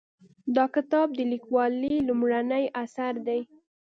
دا کتاب د لیکوالې لومړنی اثر دی